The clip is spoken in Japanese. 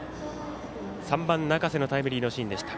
３番中瀬のタイムリーのシーンでした。